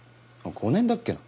５年だっけな？